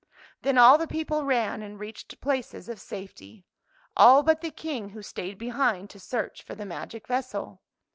Then all the people ran, and reached places of safety — all but the King who stayed behind to search for the magic vessel.